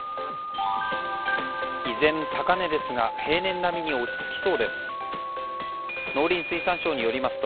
依然高値ですが平年並みに落ち着きそうです。